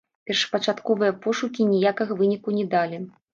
Першапачатковыя пошукі ніякага выніку не далі.